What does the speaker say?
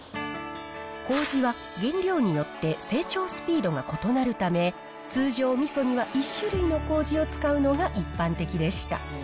こうじは原料によって、成長スピードが異なるため、通常、みそには１種類のこうじを使うのが一般的でした。